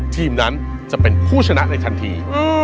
ทีมนั้นจะเป็นผู้ชนะในทันที